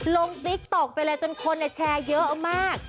ติ๊กต๊อกไปเลยจนคนแชร์เยอะมาก